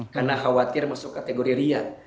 karena khawatir masuk kategori riya